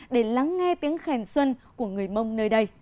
để lắng nghe tiếng khen xuân của người mông nơi đây